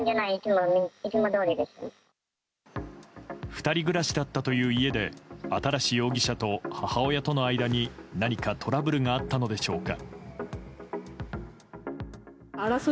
２人暮らしだったという家で新容疑者と母親との間に何かトラブルがあったのでしょうか。